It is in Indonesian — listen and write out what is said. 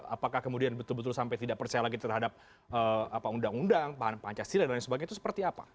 apakah kemudian betul betul sampai tidak percaya lagi terhadap undang undang paham pancasila dan lain sebagainya itu seperti apa